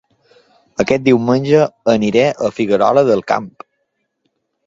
Aquest diumenge aniré a Figuerola del Camp